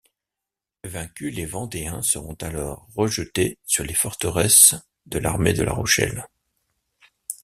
Vaincus les Vendéens seront alors rejetés sur les forteresses de l'armée de la Rochelle.